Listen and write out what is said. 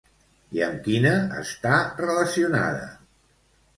I amb quina està relacionada?